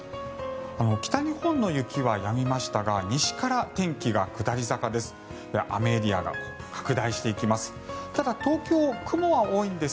北日本の雪はやみましたが西から天気が下り坂です。